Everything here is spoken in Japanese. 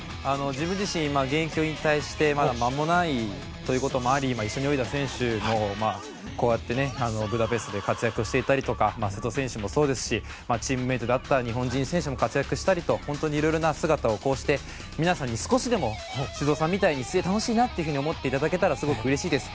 自分自身現役を引退してまだ間もないということもあり一緒に泳いだ選手もこうやってブダペストで活躍していたりとか瀬戸選手もそうですしチームメートであった日本人選手も活躍したりと本当に色々な姿を皆さんに少しでも修造さんみたいに水泳楽しいなと思っていただけたらすごくうれしいです。